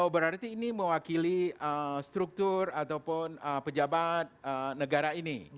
berarti ini mewakili struktur ataupun pejabat negara ini